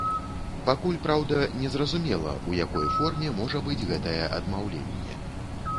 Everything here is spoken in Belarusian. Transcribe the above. Пакуль, праўда, незразумела, у якой форме можа быць гэтае адмаўленне.